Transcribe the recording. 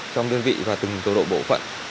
trong đơn vị và từng tổ độ bộ phận